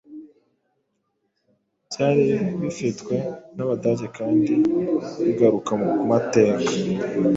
byari bifitwe n’Abadage kandi bigaruka ku mateka